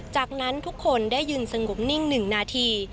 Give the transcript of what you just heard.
จากนั้นทุกคนได้ยืนสงบนิ่ง๑นาที